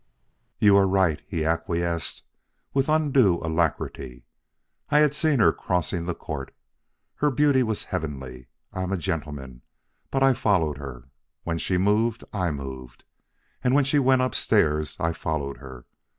"You are right," he acquiesced with undue alacrity. "I had seen her crossing the court. Her beauty was heavenly. I am a gentleman, but I followed her. When she moved, I moved; and when she went upstairs, I followed her.